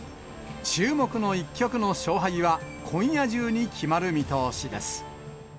注目の一局の勝敗は、今夜中に決まる見通しです。